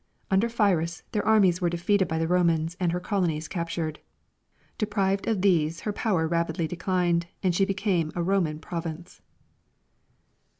Under Pyrrhus, their armies were defeated by the Romans and her colonies captured. Deprived of these, her power rapidly declined and she became a Roman province.